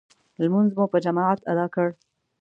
لمونځ مو په جماعت ادا کړ.